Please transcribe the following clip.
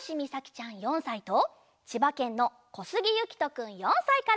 ちゃん４さいとちばけんのこすぎゆきとくん４さいから。